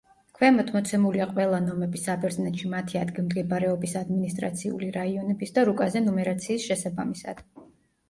ქვემოთ მოცემულია ყველა ნომები საბერძნეთში მათი ადგილმდებარეობის ადმინისტრაციული რაიონების და რუკაზე ნუმერაციის შესაბამისად.